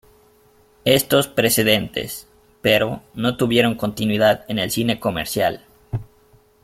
Estos precedentes, pero, no tuvieron continuidad en el cine comercial.